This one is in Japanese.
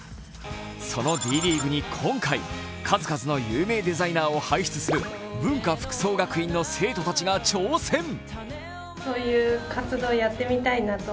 そのＤリーグに今回、数々の有名デザイナーを輩出する文化服装学院の生徒たちが挑戦。